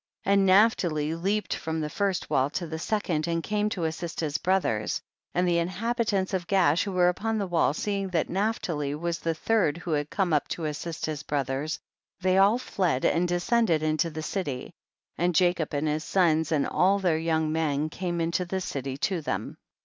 48. And Naphtali leaped from the first wall to the second, and came to assist his brothers, and the inhabitants of Gaash who were upon the wall, seeing that Naphtali was the third who had come up to assist his brothers, they all fled and descended into the city, and Jacob and his sons and all their young men came into the city to them.